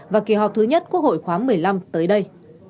và kỳ họp thứ nhất quốc hội khóa một mươi năm tới đây